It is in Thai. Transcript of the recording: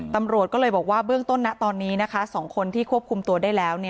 ตำรวจก็เลยบอกว่าเบื้องต้นนะตอนนี้นะคะ๒คนที่ควบคุมตัวได้แล้ว